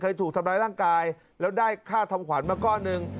ถูกทำร้ายร่างกายแล้วได้ค่าทำขวัญมาก้อนหนึ่ง